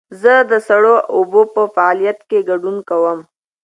زه د سړو اوبو په فعالیت کې ګډون کوم.